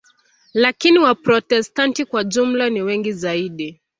Lakini Waprotestanti kwa jumla ni wengi zaidi.